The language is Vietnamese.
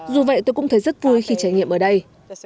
dù vậy tôi cũng thấy rất vui khi trải nghiệm ở đây